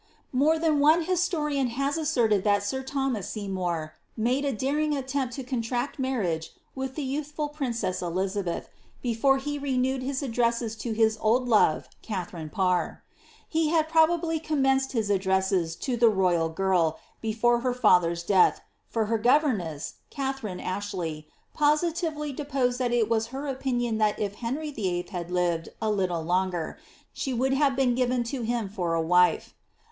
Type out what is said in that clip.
More than one historian' has asserted that sir Thomas Seymour made 1 daring attempt to contract marriage with the youthful princess Eliza beth, before he renewed his addresses to his old love, Katharine Parr. He had probably commenced his addresses to the royal girl before her lather's death, for her governess, Katharine Ashley, positively deposed that it was her opinion that if Henry VI 11. had lived a little longer, she would have been given to him for a wife.